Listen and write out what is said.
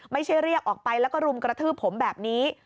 ไม่ใช่เรียกออกไปแล้วก็รุมกระทืบผมแบบนี้